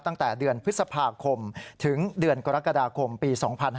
ตั้งแต่เดือนพฤษภาคมถึงเดือนกรกฎาคมปี๒๕๕๙